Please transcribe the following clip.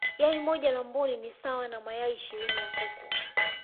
yai moja la mbuni ni sawa na mayai ishirini ya kuku